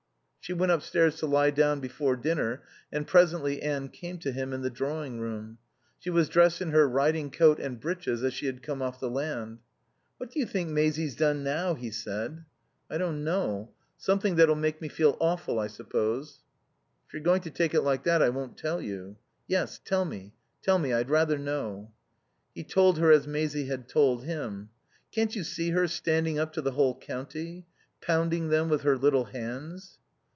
She went upstairs to lie down before dinner, and presently Anne came to him in the drawing room. She was dressed in her riding coat and breeches as she had come off the land. "What do you think Maisie's done now?" he said. "I don't know. Something that'll make me feel awful, I suppose." "If you're going to take it like that I won't tell you." "Yes. Tell me. Tell me. I'd rather know." He told her as Maisie had told him. "Can't you see her, standing up to the whole county? Pounding them with her little hands."